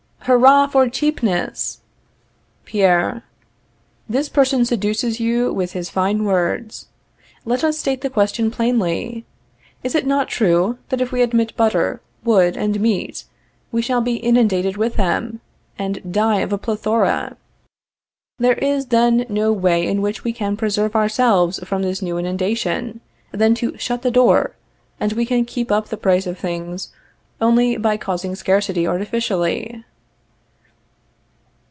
_ Hurrah for CHEAPNESS! Pierre. This person seduces you with his fine words. Let us state the question plainly. Is it not true that if we admit butter, wood, and meat, we shall be inundated with them, and die of a plethora? There is, then, no other way in which we can preserve ourselves from this new inundation, than to shut the door, and we can keep up the price of things only by causing scarcity artificially.